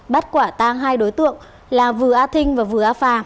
bắt quả tang hai đối tượng là vừa a thinh và vừa a phà